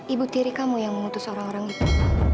ibu tiri kamu yang mengutus orang orang itu